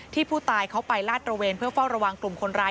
ผู้ตายเขาไปลาดตระเวนเพื่อเฝ้าระวังกลุ่มคนร้าย